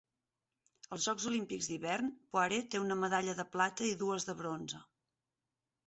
Als Jocs Olímpics d'hivern, Poirée té una medalla de plata i dues de bronze.